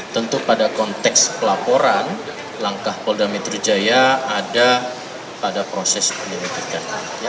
tentu pada konteks pelaporan langkah polda metro jaya ada pada proses penyelidikan